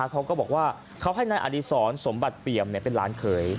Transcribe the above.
เขาก็บอกว่าเขาให้นายอดีศรสมบัติเปี่ยมเป็นหลานเขย